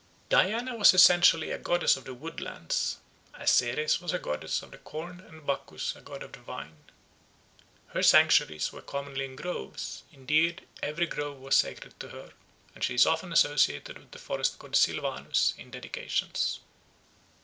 Diana was essentially a goddess of the woodlands, as Ceres was a goddess of the corn and Bacchus a god of the vine. Her sanctuaries were commonly in groves, indeed every grove was sacred to her, and she is often associated with the forest god Silvanus in dedications.